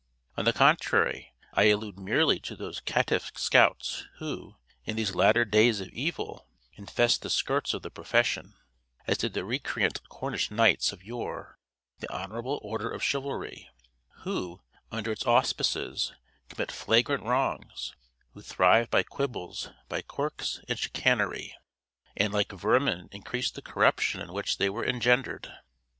On the contrary, I allude merely to those caitiff scouts who, in these latter days of evil, infest the skirts of the profession, as did the recreant Cornish knights of yore the honorable order of chivalry; who, under its auspices, commit flagrant wrongs; who thrive by quibbles, by quirks and chicanery, and like vermin increase the corruption in which they are engendered.